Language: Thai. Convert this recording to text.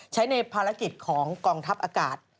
ใช้ในภารกิจของกองทัพอากาศ